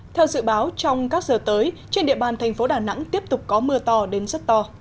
theo dự báo trong các giờ tới trên địa bàn thành phố đà nẵng tiếp tục có mưa to đến rất to